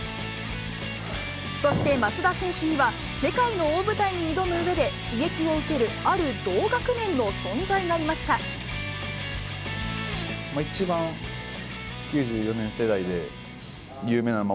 そして、松田選手には、世界の大舞台に挑むうえで刺激を受ける、ある同学年の存在がいま一番、９４年世代で、有名なのは、